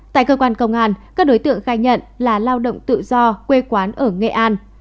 tại cơ quan công an các đối tượng khai nhận là lao động tự do quê quán ở nghệ an